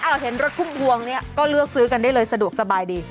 เห็นรถพุ่มพวงเนี่ยก็เลือกซื้อกันได้เลยสะดวกสบายดี